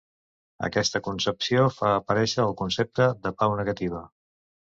Aquesta concepció fa aparèixer el concepte de pau negativa.